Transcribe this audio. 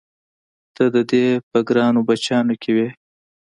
ته د دې په ګرانو بچیانو کې وې؟